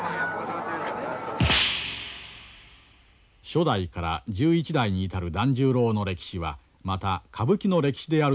初代から十一代に至る團十郎の歴史はまた歌舞伎の歴史であるともいえる。